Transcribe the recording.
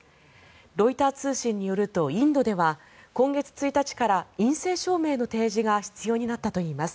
ロイター通信によるとインドでは今月１日から陰性証明の提示が必要になったといいます。